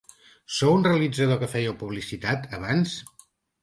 Sou un realitzador que fèieu publicitat, abans?